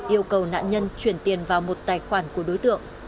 yêu cầu nạn nhân chuyển tiền vào một tài khoản của đối tượng